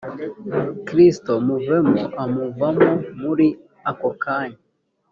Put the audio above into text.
kristo muvemo amuvamo muri ako kanya